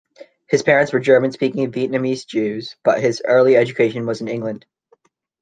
His parents were German-speaking Viennese Jews, but his early education was in England.